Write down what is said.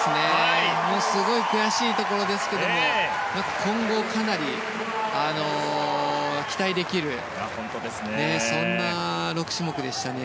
すごい悔しいところですけれども今後、かなり期待できるそんな６種目でしたね。